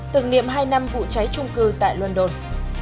từng niệm hai năm vụ cháy trung cư tại london